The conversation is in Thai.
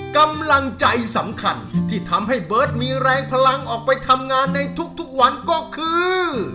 กำลังใจสำคัญที่ทำให้เบิร์ตมีแรงพลังออกไปทำงานในทุกวันก็คือ